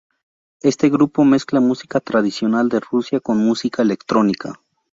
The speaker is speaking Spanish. Este grupo mezcla música tradicional de Rusia con música electrónica.